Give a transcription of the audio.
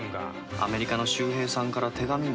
アメリカの秀平さんから手紙も来んし。